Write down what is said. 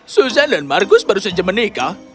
susan dan markus baru saja menikah